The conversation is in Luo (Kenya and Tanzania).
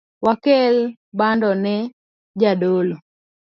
Wakel bando ne jadolo